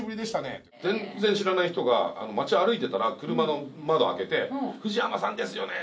全然知らない人が街歩いてたら車の窓開けて「藤山さんですよね？」